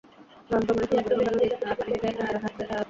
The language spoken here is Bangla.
সে একটা মেডিকেল সার্টিফিকেট জমা দিয়ে আদালতে আসেনি।